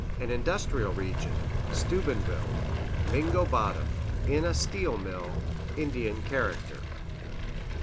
An industrial region Steubenville Mingo Bottom In a steel mill Indian character.